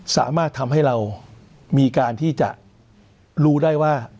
สามารถทำให้เรามีการที่จะรู้ได้ว่า